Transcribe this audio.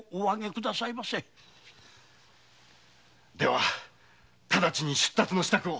では直ちに出立の支度を。